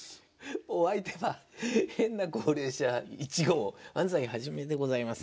お相手は変な高齢者１号安齋肇でございます。